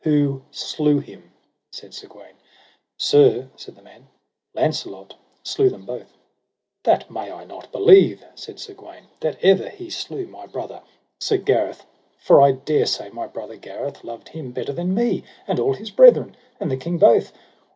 Who slew him? said Sir Gawaine. Sir, said the man, Launcelot slew them both. That may I not believe, said Sir Gawaine, that ever he slew my brother, Sir Gareth; for I dare say my brother Gareth loved him better than me, and all his brethren, and the king both.